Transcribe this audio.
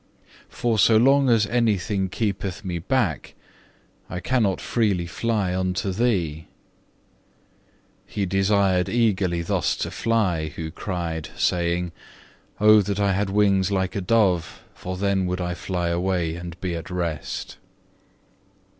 For so long as anything keepeth me back, I cannot freely fly unto Thee. He desired eagerly thus to fly, who cried, saying, Oh that I had wings like a dove, for then would I flee away and be at rest.